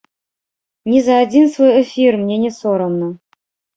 Ні за адзін свой эфір мне не сорамна.